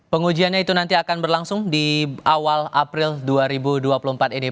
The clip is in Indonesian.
pengujiannya itu nanti akan berlangsung di awal april dua ribu dua puluh empat ini